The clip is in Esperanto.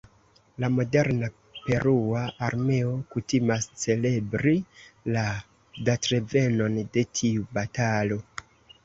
La moderna perua armeo kutimas celebri la datrevenon de tiu batalo.